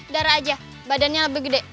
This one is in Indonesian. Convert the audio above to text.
darah aja badannya lebih gede